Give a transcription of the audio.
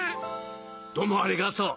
どうもありがとう。